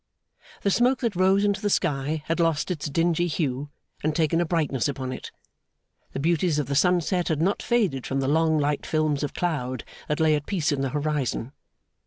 The smoke that rose into the sky had lost its dingy hue and taken a brightness upon it. The beauties of the sunset had not faded from the long light films of cloud that lay at peace in the horizon.